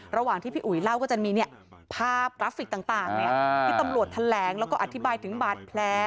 ระหว่างที่พี่อุ๋ยเล่าก็จะมีภาพกราฟิกต่างที่ตำรวจแถลงแล้วก็อธิบายถึงบาดแผล